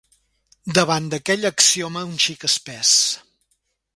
Davant d'aquell axioma un xic espès